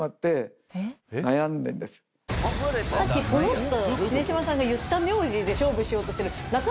さっきポロっと。